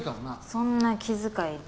そんな気遣い龍